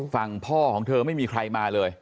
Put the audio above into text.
ฝั่งพ่อของเธอไม่มีใครมาเลย